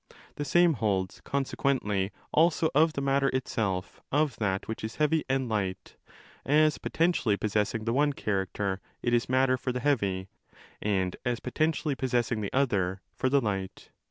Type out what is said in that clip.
The same holds, consequently, also of the matter itself of that which is heavy and light: as potentially possessing the one character, it is matter for the heavy, and as potentially possessing the other, for the light.